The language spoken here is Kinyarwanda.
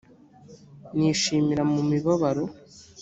nishimira mu mibabaro